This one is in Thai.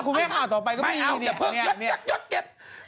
คุณแม่ข่าวต่อไปก็มีแน่